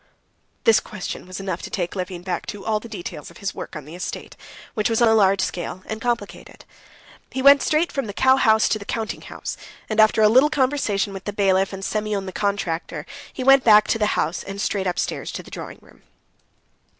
This question was enough to take Levin back to all the details of his work on the estate, which was on a large scale, and complicated. He went straight from the cowhouse to the counting house, and after a little conversation with the bailiff and Semyon the contractor, he went back to the house and straight upstairs to the drawing room.